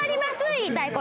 言いたい事。